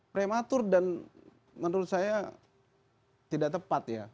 prematur dan menurut saya tidak tepat ya